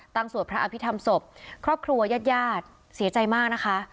ตั้งส่วนพระอภิษฐรรมศพครอบครัวยาดเสียใจมากนะคะ